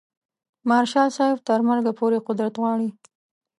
مارشال صاحب تر مرګه پورې قدرت غواړي.